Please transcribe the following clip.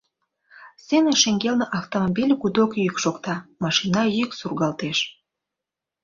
Сцена шеҥгелне автомобиль гудок йӱк шокта, машина йӱк сургалтеш.